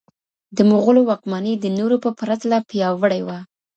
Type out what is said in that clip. د مغولو واکمني د نورو په پرتله پیاوړي وه.